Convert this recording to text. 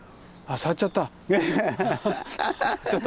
触っちゃった。